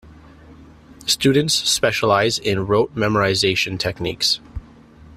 Students specialise in rote memorisation techniques.